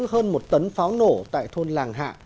hơn một tấn pháo nổ tại thôn làng hạ